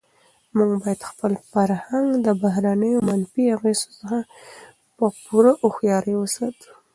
موږ باید خپل فرهنګ د بهرنیو منفي اغېزو څخه په پوره هوښیارۍ وساتو.